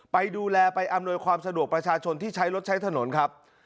ไปดูแลไปอำนวยความสะดวกประชาชนที่ใช้รถใช้ถนนครับ